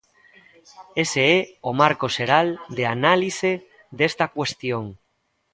Ese é o marco xeral de análise desta cuestión.